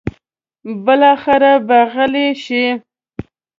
بالاخره به غلې شي.